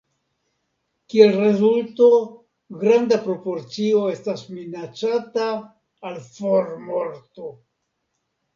Kiel rezulto, granda proporcio estas minacata al formorto.